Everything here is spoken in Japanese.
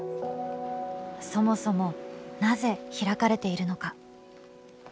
そもそもなぜ開かれているのか。